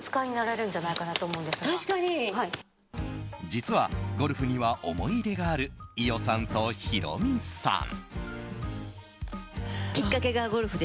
実はゴルフには思い入れがある伊代さんとヒロミさん。